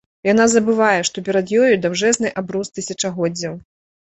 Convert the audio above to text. Яна забывае, што перад ёю даўжэзны абрус тысячагоддзяў.